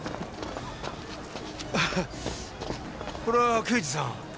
これは刑事さん。